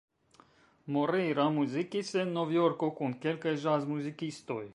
Moreira muzikis en Novjorko kun kelkaj ĵazmuzikistoj.